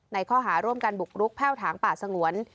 ข้อหาร่วมกันบุกรุกแพ่วถางป่าสงวน